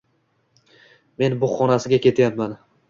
Men bug 'xonasiga ketyapman